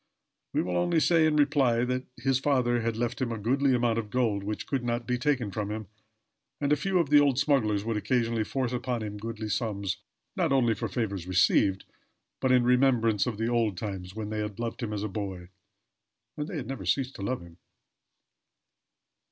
We will only say in reply, his father had left him a goodly amount of gold which could not be taken from him, and a few of the old smugglers would occasionally force upon him goodly sums, not only for favors received, but in remembrance of the old times, when they had loved him as a boy. And they had never ceased to love him.